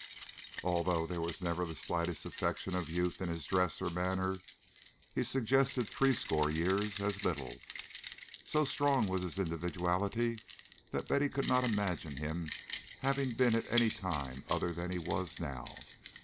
Although there never was the slightest affectation of youth in his dress or manner, he suggested threescore years as little. So strong was his individuality that Betty could not imagine him having been at any time other than he was now.